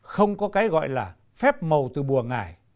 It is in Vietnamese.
không có cái gọi là phép màu từ bùa ngải